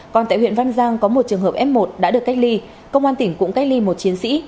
còn tại huyện văn giang có một trường hợp f một đã được cách ly công an tỉnh cũng cách ly một chiến sĩ